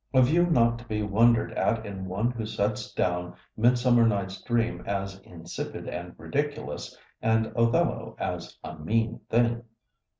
A view not to be wondered at in one who sets down "Midsummer Night's Dream" as "insipid and ridiculous," and "Othello" as a "mean thing"!